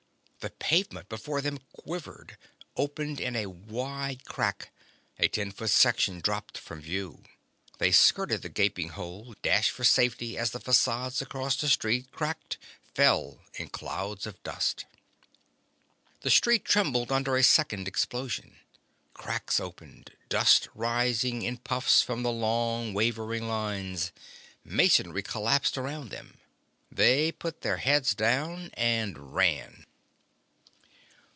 The pavement before them quivered, opened in a wide crack. A ten foot section dropped from view. They skirted the gaping hole, dashed for safety as the facades along the street cracked, fell in clouds of dust. The street trembled under a second explosion. Cracks opened, dust rising in puffs from the long wavering lines. Masonry collapsed around them. They put their heads down and ran.